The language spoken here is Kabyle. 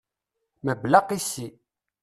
Mebla aqisi.